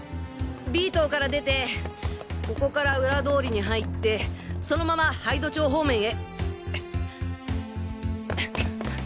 Ｂ棟から出てここから裏通りに入ってそのまま杯戸町方面へ。